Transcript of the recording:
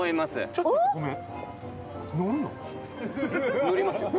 ちょっとごめん。